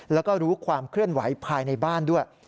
แล้วก็รู้ความเคลื่อนไหวภายในบ้านด้วย